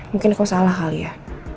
mungkin kau salah kali ya